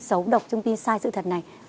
xấu độc thông tin sai sự thật này